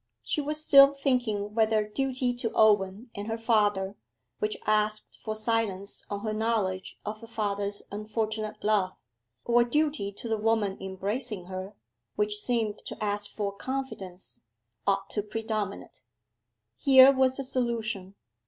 She was still thinking whether duty to Owen and her father, which asked for silence on her knowledge of her father's unfortunate love, or duty to the woman embracing her, which seemed to ask for confidence, ought to predominate. Here was a solution.